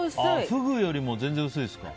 フグよりも全然薄いですか。